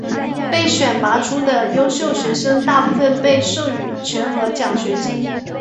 被选拔出的优秀学生大部分被授予全额奖学金。